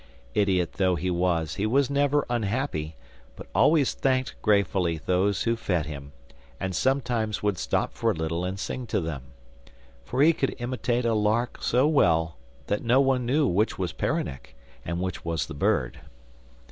Idiot though he was, he was never unhappy, but always thanked gratefully those who fed him, and sometimes would stop for a little and sing to them. For he could imitate a lark so well, that no one knew which was Peronnik and which was the bird.